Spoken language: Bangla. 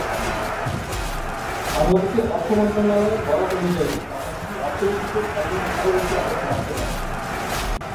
বাংলাদেশের অর্থ মন্ত্রণালয়ের বরাত অনুযায়ী- বাংলাদেশের অর্থনীতিতে থাইল্যান্ড আরো বেশি অবদান রাখতে পারে।